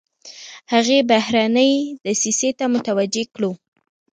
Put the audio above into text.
هغې بهرنۍ دسیسې ته متوجه کړو.